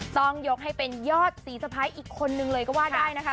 ต้องยกให้เป็นยอดสีสะพ้ายอีกคนนึงเลยก็ว่าได้นะคะ